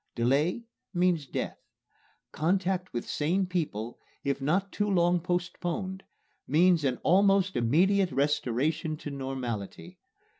Delay means death. Contact with sane people, if not too long postponed, means an almost immediate restoration to normality.